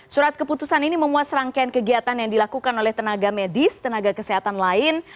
surat keputusan ini memuas rangkaian kegiatan yang dilakukan oleh tenaga medis tenaga kesehatan lain